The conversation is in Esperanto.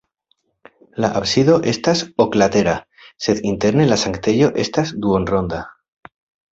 La absido estas oklatera, sed interne la sanktejo estas duonronda.